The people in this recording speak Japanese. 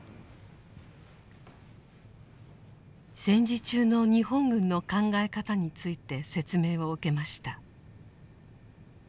戦時中の日本軍の考え方について説明を受けました。